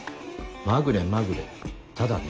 まぐれまぐれただね